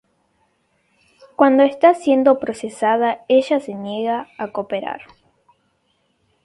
Cuando está siendo procesada, ella se niega a cooperar.